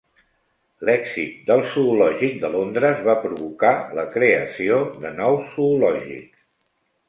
L'èxit del Zoològic de Londres va provocar la creació de nous zoològics.